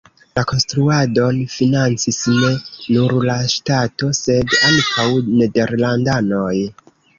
La konstruadon financis ne nur la ŝtato, sed ankaŭ nederlandanoj.